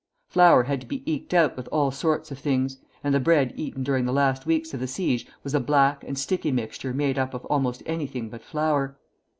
Flour had to be eked out with all sorts of things, and the bread eaten during the last weeks of the siege was a black and sticky mixture made up of almost anything but flour.